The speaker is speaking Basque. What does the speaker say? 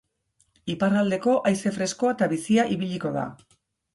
Iparraldeko haize freskoa eta bizia ibiliko da.